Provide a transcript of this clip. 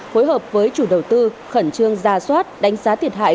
phối hợp với chủ đầu tư khẩn trương ra soát đánh giá thiệt hại